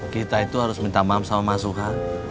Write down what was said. kita itu harus minta maaf sama mas suha